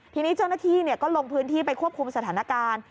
ทีนี้เจ้าหน้าที่ก็ลงพื้นที่ไปควบคุมสถานการณ์